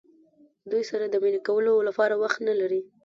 دوی سره د مینې کولو لپاره وخت نه لرئ.